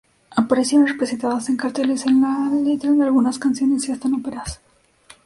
Aparecieron representadas en carteles, en la letra de algunas canciones y hasta en óperas.